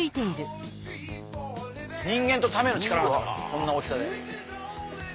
人間とタメの力があるこんな大きさで。